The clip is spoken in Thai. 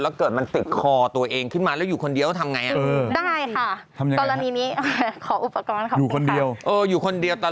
แล้วจะเกิดมันติดคอตัวเองพิมมาแล้วอยู่คนเดียวทำอย่างไร